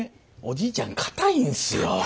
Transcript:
おじいちゃん堅いんすよ。